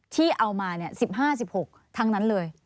ที่เอามา๑๕๑๖ทั้งนั้นเลย